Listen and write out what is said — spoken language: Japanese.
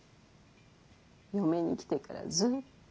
嫁に来てからずっと。